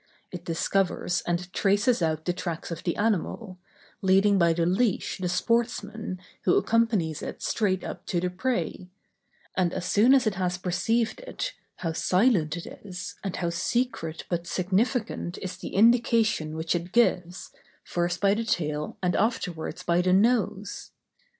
It discovers and traces out the tracks of the animal, leading by the leash the sportsman who accompanies it straight up to the prey; and as soon as it has perceived it, how silent it is, and how secret but significant is the indication which it gives, first by the tail and afterwards by the nose!